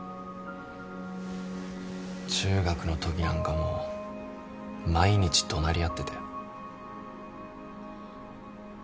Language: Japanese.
中学のときなんかもう毎日怒鳴り合ってたよ。